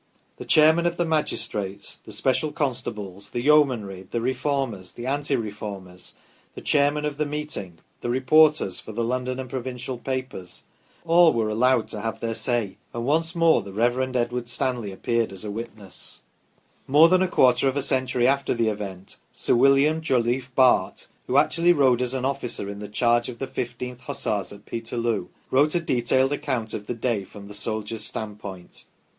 The chairman of the magistrates, the special constables, the yeomanry, the Reformers, the anti Reformers, the chairman of the meeting, the reporters for the London and provincial papers all were allowed to have their say, and once more the Rev. Edward Stanley appeared as a witness. UNREST THAT FOLLOWED NAPOLEONIC WARS 9 More than a quarter of a century after the event, Sir William Jolliffe, Bart., M.P., who actually rode as an officer in the charge of the 1 5th Hussars at Peterloo, wrote a detailed account of the day from the soldier's standpoint.